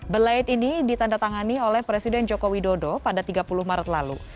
belaide ini ditandatangani oleh presiden joko widodo pada tiga puluh maret lalu